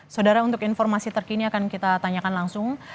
saudara untuk informasi terkini akan kita tanyakan langsung